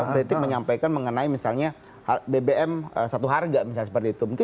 kritik menyampaikan mengenai misalnya bbm satu harga misalnya seperti itu